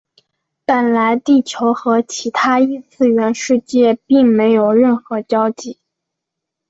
本来地球和其他异次元世界并没有任何交集。